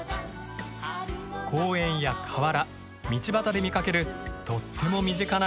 公園や河原道端で見かけるとっても身近な花だが。